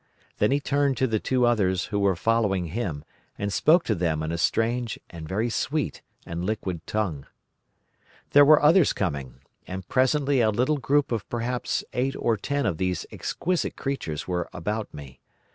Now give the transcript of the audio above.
Then he turned to the two others who were following him and spoke to them in a strange and very sweet and liquid tongue. "There were others coming, and presently a little group of perhaps eight or ten of these exquisite creatures were about me.